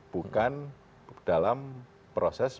bukan dalam proses